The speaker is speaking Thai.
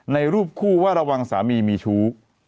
ในรูปคู่ว่าระวังสามีมีทุกข์